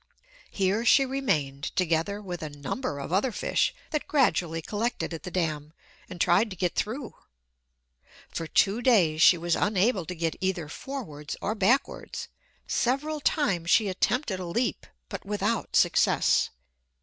Here she remained together with a number of other fish that gradually collected at the dam, and tried to get through. For two days she was unable to get either forwards or backwards; several times she attempted a leap, but, without success.